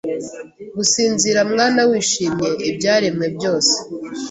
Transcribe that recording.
gusinzira mwana wishimiye Ibyaremwe byose